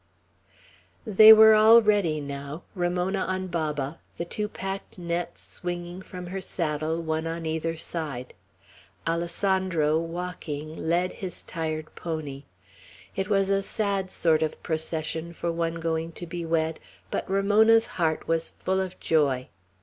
They were all ready now, Ramona on Baba, the two packed nets swinging from her saddle, one on either side. Alessandro, walking, led his tired pony. It was a sad sort of procession for one going to be wed, but Ramona's heart was full of joy.